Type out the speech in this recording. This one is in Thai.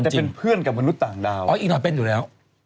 หายแล้ว